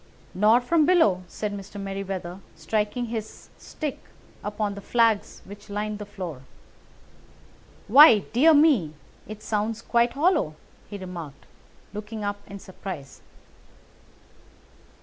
"Nor from below," said Mr. Merryweather, striking his stick upon the flags which lined the floor. "Why, dear me, it sounds quite hollow!" he remarked, looking up in surprise.